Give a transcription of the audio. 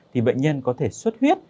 thì bệnh nhân có thể xuất huyết